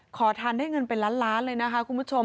ขอทานได้เงินเป็นล้านล้านเลยนะคะคุณผู้ชม